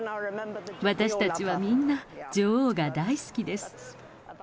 私たちはみんな、女王が大好きです。